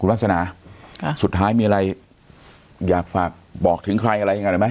คุณวาสนาค่ะสุดท้ายมีอะไรอยากฝากบอกถึงใครอะไรอย่างนั้นไหม